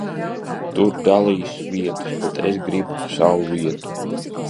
Tur dalīs vietas, bet es gribu savu vietu.